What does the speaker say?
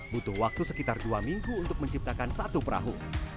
butuh waktu sekitar dua minggu untuk menciptakan satu perahu